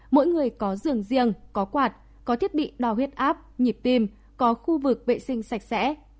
mỗi người có giường riêng có quạt có thiết bị đo huyết áp nhịp tim có khu vực vệ sinh sạch sẽ